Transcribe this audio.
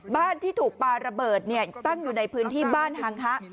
บ้านที่ถูกปลาระเบิดตั้งอยู่ในพื้นที่บ้านฮังฮะ